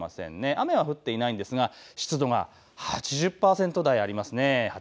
雨は降っていないんですが湿度が８０％台あります。